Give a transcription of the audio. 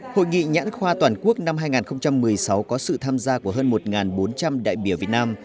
hội nghị nhãn khoa toàn quốc năm hai nghìn một mươi sáu có sự tham gia của hơn một bốn trăm linh đại biểu việt nam